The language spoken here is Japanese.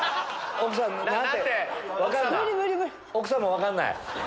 奥さんも分かんない。